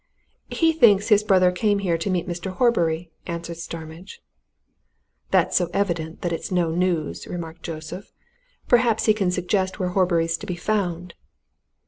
"He thinks his brother came here to meet Mr. Horbury," answered Starmidge. "That's so evident that it's no news," remarked Joseph. "Perhaps he can suggest where Horbury's to be found."